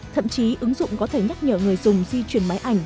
thậm chí ứng dụng có thể nhắc nhở người dùng di chuyển máy ảnh